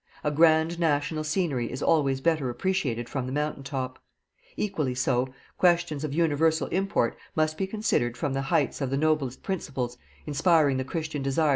A grand natural scenery is always better appreciated from the mountain top. Equally so, questions of universal import must be considered from the heights of the noblest principles inspiring the Christian desire to promote the general good of Mankind.